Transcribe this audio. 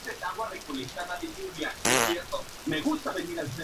Tenía una banda, llamada "Ambulancia" junto a amigos actores.